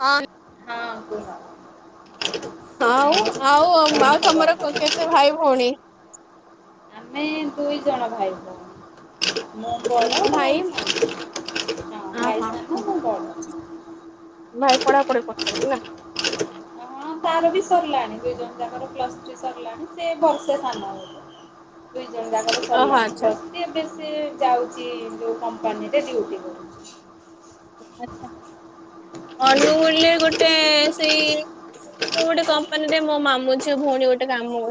ହଁ। ହଁ ଅ କୁହ। ଆଉ ଆଉ କଣ ଆଉ ତମର ଖବର? କେତେ ଭାଇ ଭଉଣୀ? ଆମେ ଦୁଇ ଜଣ ଭାଇଭଉଣୀ। ମୁଁ ବଡ ଭାଇ ସାନ ହଁ ଅହ ଭାଇ ସାନ ମୁଁ ବଡ। ଭାଇ ପଢାପଢି କରଚନ୍ତି ନା? ହଁ ତାର ବି ସରିଲାଣି। ଦୁଇଜଣଯାକର ପ୍ଲସ୍ ଥ୍ରୀ ସରିଲାଣି। ସେ ବର୍ଷେ ସାନ ହବ। ଦି ଜଣ ଯାକର ଓହୋ ସରିଲାଣି ଆଚ୍ଛା ପ୍ଲସ୍ ଥ୍ରୀ ଏବେ ସେ ଯାଉଚି ଯୋଉ କମ୍ପାନୀରେ ଡ଼୍ୟୁଟି କରୁଚି। ଆଚ୍ଛା ଅନୁଗୁଳରେ ଗୋଟେ ସେଇ ହ ମୁଁ ଗୋଟେ କମ୍ପାନୀ ରେ ମୋ ମାମୁଁଝିଅ ଭଉଣୀ ଗୋଟେ କାମ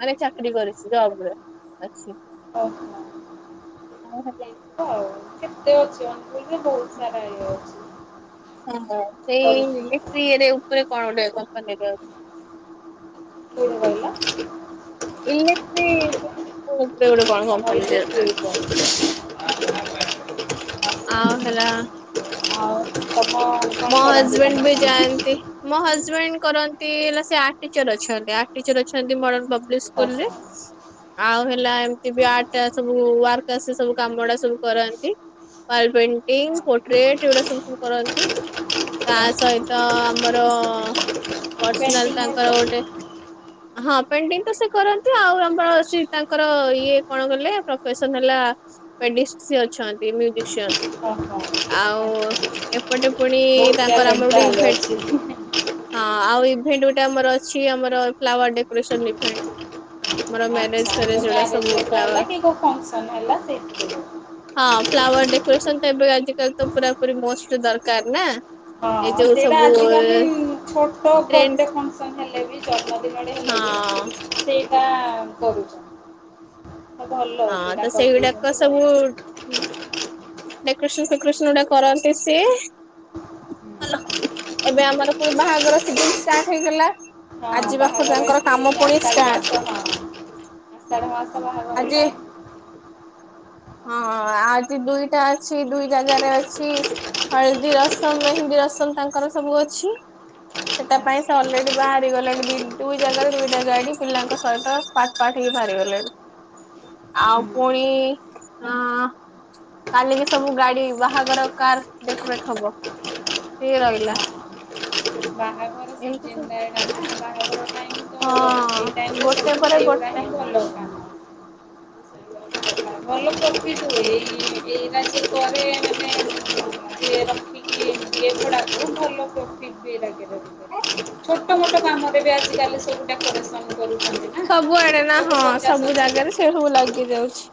ମାନେ ଚାକିରି କରିଛି ଜବ୍ ରେ। ଅଛି। ଓହୋ। କଁ ହେଲା? [unintelligible] ଆଉ କେତେ ଅଛି ଅନଗୁଳ ରେ ବହୁତ ସାରା ଇଏ ଅଛି। ହଁ ସେଇ କରୁଥିବୁ ଇଲେକ୍ଟ୍ରି ଇଏରେ ଉପରେ କଣ ଗୋଟେ କମ୍ପାନୀରେ ଜବ୍ କିଏ ସେ କହିଲା? ଇଲେକ୍ଟ୍ରି [unintelligible] ଗୋଟେ କଣ କମ୍ପାନୀରେ ଇଲେକ୍ଟ୍ରି ଥାଏ। ଉପରେ। ଆଁ ହେଲା ଆଉ। କଣ ମ କରନ୍ତି ତମ ହଜବେଣ୍ଡ ବି ସ୍ୱାମୀ? ଯାଆନ୍ତି ମ ହଜବେଣ୍ଡ କରନ୍ ନ୍ତି ହେଲା ସେ ଆର୍ଟ ଟିଚର ଅଛନ୍ତି। ଆର୍ଟ ଟିଚର ଅଛନ୍ତି ମଡର୍ଣ ପବ୍ଲିକ ସ୍କୁଲରେ। ଆଉ ହେଲା ଏମତି ବି ଆର୍ଟ ସବୁ ୱାର୍କ ଆସେ ସବୁ କାମଅଡା ସବୁ କରାନ୍ତି। ୱାଲ ପେଣ୍ଟିଙ୍ଗ ପୋର୍ଟ୍ରେଟ ଏଗୁଡା ସବୁ ସୁ କରନ୍ତି। ତା ସହିତ ଆମର ପର୍ସନାଲ ପେଣ୍ଟିଂ ତାଙ୍କର ହେରିକା? ଗୋଟେ ହଁ ପେଣ୍ଟିଙ୍ଗ ତ ସେ କରନ୍ତି ଆଉ ଆମପଣ ସି ତାଙ୍କର ଇଏ କଣ କଲେ ପ୍ରଫେସନ ହେଲା ଆ ପେଡିକ୍ସ ସିଏ ଅଛନ୍ତି ମ୍ୟୁଜିକସିଆନ୍ ଆଉ ଏପଟେ ପୁଣି ବହୁତ ତାଙ୍କର ଆମର ଟ୍ୟାଲେଣ୍ଟ ଗୋଟେ ତାହେଲେ ଇଭେଟ୍ ଅଛି। ହଁ ଆଉ ଇଭେଣ୍ଟ ଗୋଟେ ଆମର ଅଛି ଆମର ଫ୍ଲାୱାର୍ ଡେକୋରେସନ ଇଭେଣ୍ଟ। ଆମର ମ୍ୟାରେଜ୍ ଆଚ୍ଛା ଯୋଉ ଫ୍ୟାରେଜ୍ ଏଉଡା ମ୍ୟାରେଜ ସବୁ ହେରିକା ଫ୍ଲାୱାର ହେଲା କି କୋଉ ଫଙ୍କସନ୍ ହେଲା ସେଇଠି କି। ହଁ [unintelligible] [unintelligible] ଏବେ ଆଜି କାଲି ତ ପୁରା ପୁରି ମଷ୍ଟ ଦରକାର ନା। ଏ ହଁ ଯୋଉ ସେଇଟା ସବୁ ଆଜିକାଲି ଛୋଟ ଟ୍ରେଣ୍ଡ ବର୍ଥଡେ ଫଙ୍କସନ୍ ହେଲେ ବି ହଁ [unintelligible] ସେଇଟା କରୁଚ। ଭଲ ହଁ ତ ସେଇଟା ସେଇଗୁଡାକ କରିଦେଇଛନ୍ତି ସବୁ ଭଲ। ଡେକୋରେସନ ଫେକୋରେସନ ଗୁଡା କରନ୍ତି ସିଏ। ଲ ଏବେ ଆମର ପୁଣି ବାହାଘର ସିଜିନ ଷ୍ଟାର୍ଟ ହେଇଗଲା। ହଁ ଆଜି ପାଖରୁ ବାହାଘର ତାଙ୍କର ଏଠି କାମ ପୁଣି ଆଷାଢ଼ ଷ୍ଟାର୍ଟ ମାସ ହଁ ହଁ ଆଷାଢ଼ ମାସ। ହବ [unintelligible] ଆଜି ଟାଇମ୍ ହଁ ଅ ଆଜି ଦୁଇଟା ଅଛି ଦୁଇ ଜାଗାରେ ଅଛି ହଳଦୀ ରସମ, ମେହେନ୍ଦୀ ରସମ। ତାଙ୍କର ସବୁ ଅଛି। ସେଟା ପାଇଁ ସେ ଅଲରେଡି ବାହାରି ଗଲାଣି ଦି ଦୁଇ ଜାଗାରେ ଦୁଇଟା ଗାଡି ପିଲାଙ୍କ ସହିତ ପାର୍ଟ ପାର୍ଟ ହେ ସିଏ ଭାରିଗଲେଣି। ଆଉ ପୁଣି ଅଁ କାଲିକି ସବୁ ଗାଡି ବାହାଘର କାର୍ ଡେକୋରେଟ ହବ। ଏ ରଇଲା। ବାହାଘର ସିଜନ୍ ରେ ଏଡ଼ା କ ବା ଅଡ଼୍ ଟାଇମ୍ କୁ ଏଇ ଟାଇମ୍ ହଁ କୁ ଗୋଟେ ସବୁ ପରେ ସେଇଗୁଡ଼ା ଗୋଟେ ହିଁ ଭଲ ଜ୍ଞା। ଏଇ ଏଇଟା ଯିଏ କରେ ମାନେ ଯିଏ ରଖିକି ଦିଏ ଭଡ଼ାକୁ ଭଲ ପ୍ରଫିଟ୍ ବି ଏଇରା କେରେ ମୁଁ ତାଲେ ସେଇଗୁଡ଼ା କରେ ସ ସବୁ ଆଡ଼େ ନାଁ ହଁ ସବୁ ସଜି ହୁଁ ଜାଗାରେ ସେ ସବୁ ଲାଗି ଯାଉଛି।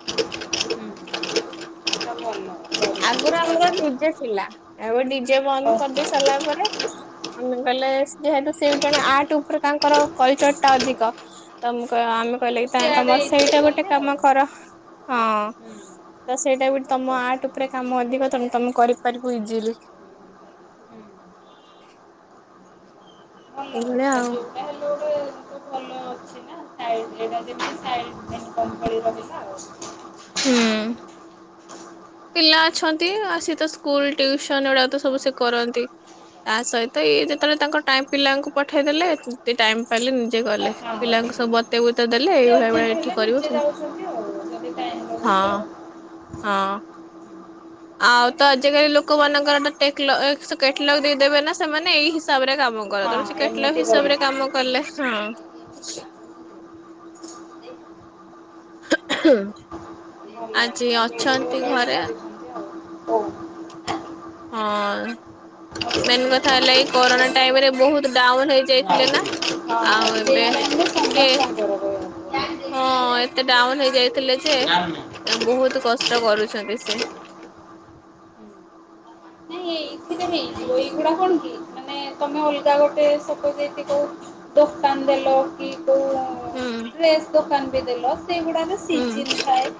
ହୁଁ। ଆଗୁରୁ ଆମର ଡି ଜେ ଥିଲା ଏବେ ଡି ଜେ ବନ୍ଦ କରିଦେଇ ଭଲ। ସାରଲା ପରେ ଆମେ ବା ଲେ ସିଏ ହେଟୁ ସିଏ ଜଣେ ଆର୍ଟ ଉପରେ ତାଙ୍କର କଲଚର୍ ଟା ଅଧିକ ତ ମୁଁ କ ହଁ ଆମେ କହିଲେ ତ କି ଆଁ ସିଆଡେ ତମ ଏଇଥିରେ ସେଇଟା ଗୋଟେ କଲେ ଆଉ। କାମ କର ହଁ ହୁଁ ତ ସେଇଟା ଗୋଟେ ଭଲ ତମ ଭଲ ଆର୍ଟ ପରେ କାମ ଅଧିକ ତମେ ତମେ କରିପାରିବ ଇଜିଲି। ଏଇ ଭଳିଆ କଥା ଆଉ। ଯୋଉଟା ହେଲେ ଗୋଟେ ତ ଭଲ ଅଛି ନା ସାଇଡ ଏଇଟା ଯେମିତି ସାଇଡ ଇନକମ୍ ଭଳି ରହିଲା ଆଉ। ହୁଁ। ପିଲା ଅଛନ୍ତି ଆ ସିଏ ତ ସ୍କୁଲ୍ ଟିଉସନ୍ ଏଉଡ଼ା ତ ସବୁ ସିଏ କରନ୍ତି। ତା ସହିତ ଇଏ ଯେତୋଳେ ତାଙ୍କ ଟାଇମ୍ ପିଲାଙ୍କୁ ପଠେଇଦେଲେ ତି ଟାଇମ୍ ପାଇଲେ ନିଜେ ଗଲେ ପିଲା ହଁ ଙ୍କୂ ସବୁ ବତେଇ ବୁତା ଦେଲେ ଏଇଭଳିଆ ଭଳିଆ ଏଠି କରିବ ସେମ୍ ଓ ଯଦି ଟାଇ ହଁ ହଁ ଆଉ ତ ଆଜିକାଲି ଲୋକମାନଙ୍କର ତ ଟେକଲ ଏକ୍ସ କେଟଲଗ୍ ଦେଇଦେବେ ନାଁ ସେମାନେ ଏଇ ହିସାବରେ କା ମ କର ତର ସେ ହଁ କେଟଲଗ୍ ଏମିତି ହିସାବରେ କରିବି। କାମ କଲେ ହଁ। ଭଲ ଆଜି କଥା ଯୋଉଠି ଅଛନ୍ତି ଭଲ ଗୋଟେ ଘରେ। କରିଛନ୍ତି ଆଉ ହଉ। ହଁ। ହଁ ମେନ କଥା ହେଲା ଏଇ କରନା ଟାଇମ୍ ରେ ବହୁତ ଡାଉନ୍ ହେଇଯାଇଥିଲେ ନାଁ। ହଁ ସେଇ ଟାଇମରେ ସମସ୍ତଙ୍କର ରହିବ। ଜାଣିନି। ହଁ ଏତେ ଡାଉନ୍ ହେଇଯାଇଥିଲେ ଯେ ଏଁ ବୋହୁତ କଷ୍ଟ କରୁଛ ବି ସିଏ। ନାଁଇ ଏ ମାନେ ତମେ ଅଲଗା ଗୋଟେ ସପୋଜ୍ ଏଠି କୋଉ ଦୋକାନ ଦେଲ କି କୋଉ ହୁଁ ଡ୍ରେସ୍ ଦୋକାନ ବି ଦେଲ ସେଗୁଡ଼ାରେ ହୁଁ ସିଜିନ୍ ଥାଏ।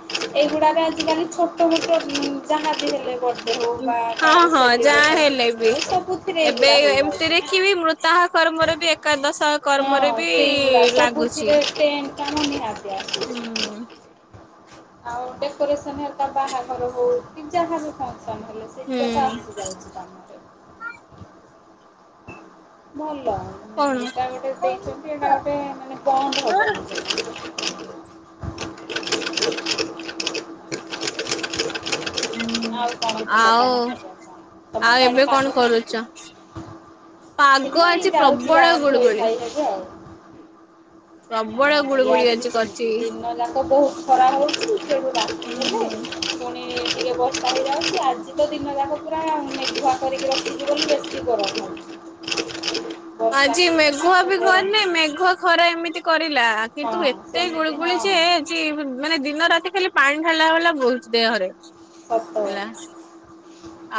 ଏଇଗୁଡ଼ାକ ଆଜିକାଲି ଛୋଟମୋଟ ଯାହା ବି ହେଲେ କରୁ ହୋଉ ବା ହଁ କାହାର ହଁ ଯାହା ସେଲିବ୍ରେସନ୍ ହେଲେ କିଛି ବି ହୋଉ ସବୁଥିରେ ଏବେ ଏଇଗୁଡ଼ା ହେଇଯାଉଛି ଏମିତିରେ ନାଁ। କି ବି ମୃତାହ କର୍ମରେ ବି ଏକାଦଶ କର୍ମରେ ହଁ ବି ସେଇଗୁଡ଼ା ଲାଗୁଛି। ସବୁଥିରେ ଟେଣ୍ଟ୍ ଟା ମାନେ ନିହାତି ହୁଁ। ଆସୁଚି। ଆଉ ଡେକୋରେସନ୍ ହେରିକା ବାହାଘର ହୋଉ କି ଯାହା ବି ଫ ସନ୍ ହେଲେ ସେଇଥିରେ ତ ହୁଁ ଆସି ଯାଉଚି କାମଟେ। ଭ ଲ ଉଁ କଣ? ଏଇଟା ଗୋଟେ ହୁଁ। ଦେଇଛନ୍ତି ଏଇଟା ଗୋଟେ ମାନେ ବନ୍ଦ ହବନି ଜଲ୍ଦୀ। [inaudible] ଆଉ କଣ କୁହ ଆଉ ତମ ଖବର କଣ? ତମ ଆଉ ସାଡ଼େ ଏବେ କଣ ପାଗ କରୁଛ? କେମତି? କିଛି ପାଗ ନାହିଁ ଆଜି ଯାଉଚି ପ୍ରବଳ ଗାଁକୁ ଗୁଳୁଗୁଳି ଧୋଇଧାଇ ହବୁ ଆଉ। ପ୍ରବଳ ହଁ ଗୁଳୁଗୁଳି ୟାଡ଼େ ବି ଆଜି କରିଛି। ସେମତି ଦିନ ଯାକ ବହୁତ ଖରା ହଉଛି। ହୁଁ। ଇଏ ଟିକେ ବର୍ଷା ହୋଇଯାଉଚି ଆଜି ତ ଦିନ ଯାକ ପୁରା ମେଘୁଆ କରିକି ରଖିଚି ବୋଲି ବେଶୀ ଗରମ ହଉ [inaudible] ଆଜି ମେଘୁଆ ବି କରିନେଇ ମେଘୁଆ ଖରା ଏମିତି କରିଲା ବହୁତ କିନ୍ତୁ ହଁ ଏତେ ସେମିତି ଗୁଳିୁଗୁଳି ହଁ ଯେ ଯେ ମାନେ ଦିନ ରାତି ଖାଲି ପାଣି ଢାଳିଲା ହେଲା ବୋହୁଚି ଦେହରେ। ସତ କଥା। ହେଲା।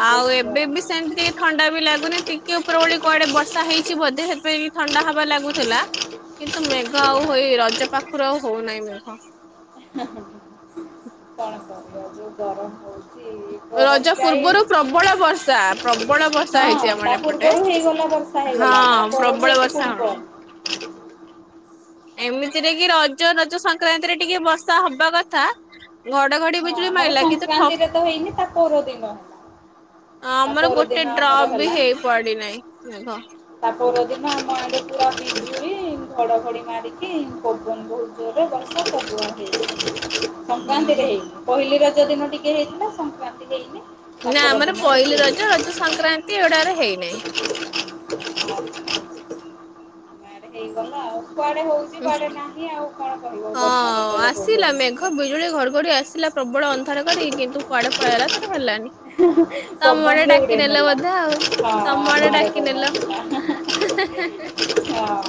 ଆଉ ବହୁତ ଏବେ ବି ଗରମ ସେନ୍ତି କାଇଁ ଥଣ୍ଡା ବି ଲାଗୁନି ଟିକେ ଉପର ବେଳି କୁଆଡ଼େ ବର୍ଷା ହେଇଚି ବୋଧେ ହେଥିପାଇଁ ଥଣ୍ଡା ହବା ଲାଗୁଥିଲା କିନ୍ତୁ ମେଘ ଆଉ ହେଉଛି। ହେଇ ରଜ ପାଖରୁ ଆଉ ହଉନାହିଁ ମେଘ କଣକ [unintelligible] ଯେଉ ଗରମ ହଉଛି ଗରମ ରଜ ଯାଇ, ପୂର୍ବରୁ ପ୍ରବଳ ବର୍ଷା ପ୍ରବଳ ବର୍ଷା ହେଇଛି ହଁ ଆମ ତା ଏପଟେ। ପୂର୍ବରୁ ହେଇଗଲା। ବର୍ଷା ହେଇଗଲା, ତା ହଁ ପରଠୁ ପ୍ରବଳ ହେଇଠି ବର୍ଷା ପୁଣି ହଣ ବନ୍ଦ। ଏମିତିରେ କି ରଜ, ରଜ ସଂକ୍ରାନ୍ତିରେ ଟିକେ ବର୍ଷା ହବା କଥା। ଘଡଘଡି ହଁ ବୁଜୁଳି ଆମର ମାରିଲା କିନ୍ତୁ ଠପ ସଂକ୍ରାନ୍ତିରେ ତ ହେଇନି ତା ପରଦିନ ହେଲା। ତା ଆମର ପରଦିନ ଗୋଟେ ଆମର ଡ୍ରପ ବି ହେଲା ହେଇ ପଡିନାହିଁ, ମେଘ। ତା ପରଦିନ ଆମ ଆଡେ ପୁରା ବିଜୁଳି ଘଡଘଡି ମାରିକି, ପବନ ବହୁତ ଜୋରରେ ବର୍ଷା ସବୁ ଆଡେ ହେଇଯାଇଛି। ସଂକ୍ରାନ୍ତିରେ ହୁଁ ହେଇନି, ପହିଲି ରଜ ଦିନ ଟିକେ ହେଇଥିଲା, ସଂକ୍ରାନ୍ତିରେ ହେଇନି। ତା ନା ପର ଆମର ଦିନ, ପହିଲି ହେଇଠୁ ରଜ ରଜ ସଂକ୍ରାନ୍ତି ଏଗୁଡାରେ ହେଇନାହିଁ। [unintelligible] ୟାଡେ ହେଇଗଲା ଆଉ କୁଆଡେ ହଉଛି, କୁଆଡେ ନାହିଁ ଆଉ କଣ କହିବ ବର୍ଷା ହଁ କେତେବେଳେ କୋଉଠି ଆସିଲା ମେଘ ହଉଛି! ବିଜୁଳି ଘଡଘଡି ଆସିଲା ପ୍ରବଳ ଅନ୍ଧାର କରିକି କିନ୍ତୁ କୁଆଡେ ପଳେଇଲା ତ ସେଠୁ ହେଲାନି। ତମ ଆଡେ ପବନରେ ଡାକି ଉଡେଇ ଦେଲ ନେଲା ବୋଧେ ଆଉ ହଁ ତମ ଆଡେ ଆମ ପଳେଇ ଡାକିନେଲ, ଆସିଲା ହେଁ ହେଁ ହେଁ ହଁ [unintelligible]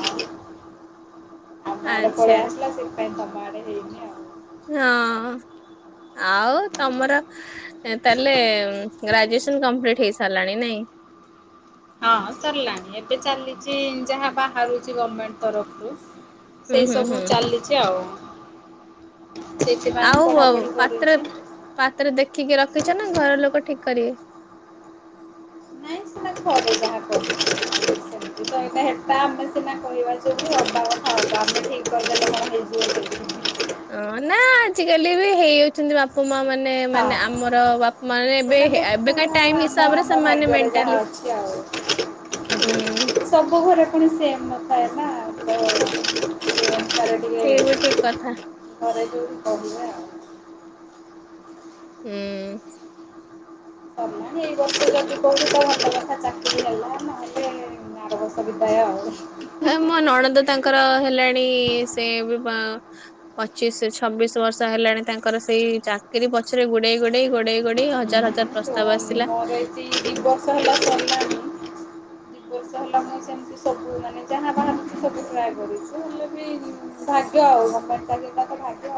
ଆମ ଆଡେ ଆଚ୍ଛା ପଳେଇ ଆସିଲା ସେଥି ପାଇଁ ତମ ଆଡେ ହେଇନି ଆଉ ହଁ ଆଉ ତମର ତାହେଲେ ଗ୍ରାଜୁଏସନ କମ୍ପ୍ଲିଟ ହେଇ ସାରିଲାଣି ନାଇଁ? [inaudible] ହଁ ସରିଲାଣି, ଏବେ ଚାଲିଛି ଯାହା ବାହାରୁଛି ଗମେଣ୍ଟ ତରଫରୁ ହୁଁ ସେଇ ହୁଁ ସବୁ ହୁଁ ଚାଲିଛି ଆଉ। ସେଇଥିପାଇଁ ଆଉ ପଢ଼ାପଢ଼ି ପାତ୍ର, କରୁଛି ପାତ୍ର ଦେଖିକି ରଖିଛ ନା, ଘର ଲୋକ ଠିକ କରିବେ? ନାଇଁ ସେଟ ଘରେ ଯାହା କରିବେ। ସଟା ହେଟା ଆମେ ସିନା କହିବା ଜେଉଠି ହେବା କଥା ହଵ ଆମେ ଠିକ କହିଦେଲେ ହେଇଯିବକି? ହଁ ନା ଆଜିକାଲି ବି ହେଇଯାଉଛନ୍ତି ବାପା ମା ମାନେ ମାନେ, ମାନେ ହଁ ଆମର ବାପା ମାନ ଏବେ ସେଇଟା ଦେଖାଯାଉ ଏବେକାଇମ ଆମ ହିସାବରେ ଆମ ସେମାନେ ଭାଗ୍ୟରେ ଯାହା ମେଣ୍ଟାଲି ହୁଁ [unintelligible] ସବୁ ଘରେ [unintelligible] [unintelligible] ସିଏ ବି ଠିକ କଥା ହୁଁ। [unintelligible] ଆର [unintelligible] ଆଉ। ଏ ମୋ ନଣନ୍ଦ ତାଙ୍କର ହେଲାଣି ସେ ପଚିଶ ଛବିଶ ବର୍ଷ ହେଲାଣି ତାଙ୍କର ସେଇ ଚାକିରି ପଛରେ ଗୁଡେଇ ଗୁଡେଇ [unintelligible] ଦି ବର୍ଷ ହେଲା ମୁଁ ସେମିତି ସବୁ ମାନେ ଯାହା ବାହାରୁଛି ସବୁ ଟ୍ରାଏ କରିଛି ହେଲେ ବି। ଭାଗ୍ୟ ଆଉ ଗମେଣ୍ଟ ଚାକିରି କରିତେ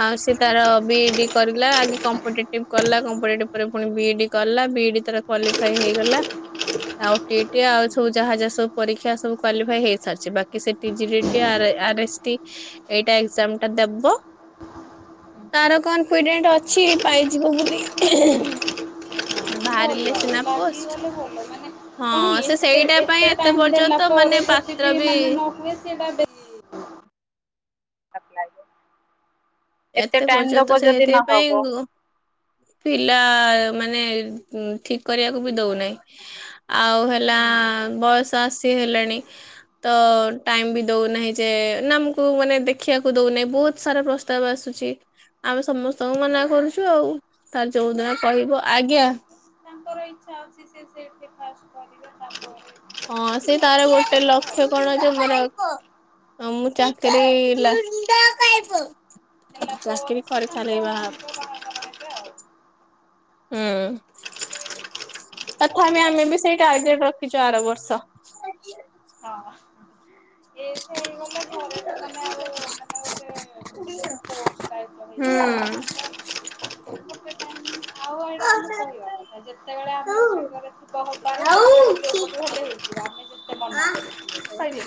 ଆଉ ସି ତାର ବିଡି କରିଲା ଆଗ କମ୍ପିଟେଟିବ କଲା, କମ୍ପିେଟେଟିଭ ପରେ ପୁଣି ବିଏଡି କଲା, ବିଏଇଡି ତାର କ୍ୱଲିଫାଏ ହେଇଗଲା। ଆଉ, ଆଉ ସବୁ ଯାହା ଯାହା ସବୁ ପରୀକ୍ଷା ସବୁ କ୍ୟୁଲିଫାଏ ହେଇସାରିଛି, ବାକି ସେ ଟି ଆ ଏସ୍ଟି ଏଇଟା ଏକଜାମ ଟା ଦବ। ତାର କନଫିଡେଣ୍ଟ ଅଛି, ପାଇଯିବ ବୋଲି। ବାହାରିଲେ ସିନା। କି ପୋଷ୍ଟ। ଗଲେ ହଲ ମାନେ [unintelligible] କଣ କି? ହଁ ସେ ଏତେ ସେଇଟା ପାଇଁ ଏତେ ଟାଇମ ଦେଲା ପର୍ଯ୍ୟନ୍ତ ମାନେ ପରେ ଯଦି ପାତ୍ର ବି ମାନେ ନ ହୁଏ ସେଟା [unintelligible] ଏତେ ପର୍ଯ୍ୟନ୍ତ ସେଇଥିପାଇଁ ପିଲା ମାନେ ଉଁ-ଠିକ କରିବାକୁ ବି ଦୋଉନେଇଁ। ଆଉ ହେଲା ହୁଁ। ବୟସ୍ ଆସି ହେଲାଣି ତ ଟାଇମ୍ ବି ଦୋଉନାହିଁ ଯେ ନା ଆମକୁ ମାନେ ଦେଖିବାକୁ ଦୋଉ ନାଇ ବୋହୁତ ସାରା ପ୍ରସ୍ ସ୍ତାବ ଆସୁଚି ଆମେ ସମସ୍ତଙ୍କୁ ମନା କରୁଚୁ ଆଉ ତାର ଯୋଉଦିନ କହିବ ହଁ ଆଜ୍ଞା ତାଙ୍କର ଇଚ୍ଛା ଅଛି ସିଏ ସେଇଠି ଫାଷ୍ଟ କରିବେ ତାପରେ ହଁ ବାହାଘର ସେଇ ଆଉ ତାର ଗୋଟେ ଲକ୍ଷ୍ୟ ହେଲା କଣ ଯେ ମୋର ଆଉ ମୁଁ ଚାକିରି ଲାଷ୍ ହେଲା ପରେ ସେ ତାଙ୍କ ସହିତ ବାହା ହୁଁ। ତଥାପି ଆମେ ବି ସେଇ ଟାର୍ଗେଟ୍ ରଖିଚୁ ଆର ବର୍ଷ। ହଁ ଏ [inaudible] ଫୋର୍ସ୍ ଟାଇପର ହୁଁ। ହେଇଯାଉଚି ନା ତ ଗୋଟେ ଟାଇମ୍ ଆଉ ଏଇଟା ଆମେ କହିବା କଥା ଯେତେବେଳେ ଆମର ଭାଗ୍ୟରେ ଥିବ ହବାର ସେତେବେଳେ ଯୋଉ ପଟୁ ହେଲେ ହେଇଯିବ। ଆମେ ଯେତେ ମନା କରୁଛୁ ସେଇଟା ଆରେ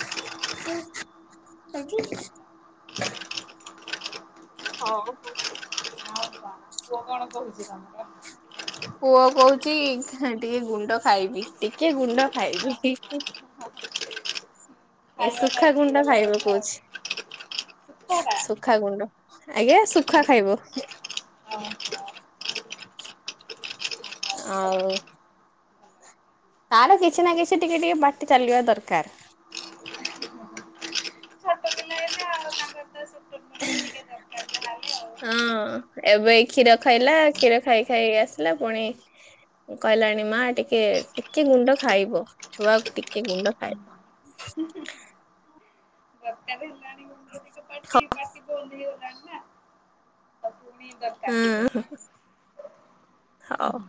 କି? ହଉ ବୋହୁତ୍ ପୁଅ କଣ ପୁଅ କଣ କୋହୁଚି ତମର? ପୁଅ କୋହୁଚି ଟିକେ ଗୁଣ୍ଡ ଖାଇବି। ଟିକେ ଗୁଣ୍ଡ ଖାଇବି ହି ହି ତମର? ଏଇ ଖାଇବା ଶୁଖା ଟାଇମ୍ ଗୁଣ୍ଡ ହେଇଗଲା ଖାଇବ ବୋଧେ କୋହୁଛି। ଆଉ। ସୁୁଖୁଆଟା ଶୁଖା ଗୁଣ୍ଡ ଆଜ୍ଞା ଶୁଖୁଆ ଖାଇବ। ଓହୋ। ଛୋଟ ଆଉ ତାର କିଛି ନା କିଛି ଟିକେଟିକେ ପାଟି ଚାଲିବା ଦରକାର। ମତେ ଟିକେ ଦରକାର ଯାହାହେଲେ ଆଉ। ହଁ ଏବେ ଏଇ କ୍ଷୀର ଖାଇଲା କ୍ଷୀର ଖାଇ ଖାଇକି ଆସିଲା ପୁଣି କହିଲାଣି ମା ଟିକେ ଟିକେ ଗୁଣ୍ଡ ଖାଇବ ଛୁଆ ଟିକେ ଗୁଣ୍ଡ ଖାଇବ। ହୁଁ ହୁଁ ହୁଁ। ହଁ। ପାଟି ପାଟି ବନ୍ଦ ହେଇଗଲାଣି ନା। ଆଉ ପୁଣି ଦରକାର ଟିକେ ହୁଁ ହେଲାଣି। ହଉ।